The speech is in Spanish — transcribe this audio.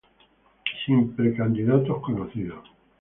Sin precandidatos conocidos.